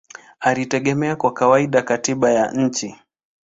inategemea kwa kawaida katiba ya nchi.